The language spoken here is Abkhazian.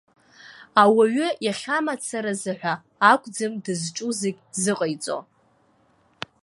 Ауаҩ иахьа мацаразы ҳәа акәӡам дызҿу зегь зыҟаиҵо.